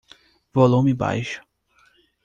Volume baixo.